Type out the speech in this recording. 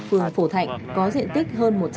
phường phổ thạnh có diện tích hơn